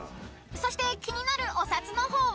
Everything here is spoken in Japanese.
［そして気になるお札の方は］